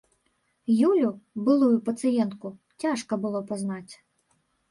Юлю, былую пацыентку, цяжка было пазнаць.